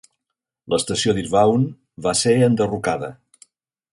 L"estació de Hirwaun va ser enderrocada.